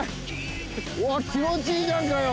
うわ気持ちいいじゃんかよ